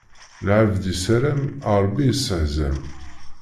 Lɛebd issaram, Ṛebbi isseḥzam.